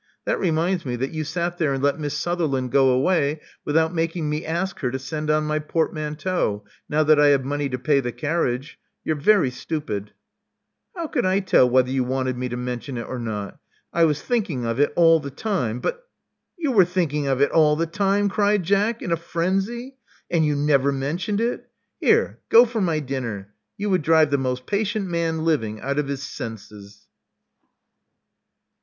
That reminds me that you sat there and let Miss Sutherland go away without making me ask her to send on my portmanteau, now that I have money to pay the carriage. You're very stupid." How could I tell whether you wanted me to mention it or not? I was thinking of it all the time; but " You were thinking of it all the time!" cried Jack, in a frenzy. And you never mentioned it! Here go for my dinner. You would drive the most patient man living out of his senses."